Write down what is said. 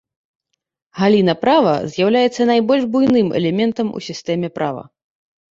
Галіна права з'яўляецца найбольш буйным элементам у сістэме права.